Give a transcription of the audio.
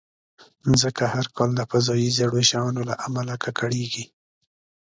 مځکه هر کال د فضایي زړو شیانو له امله ککړېږي.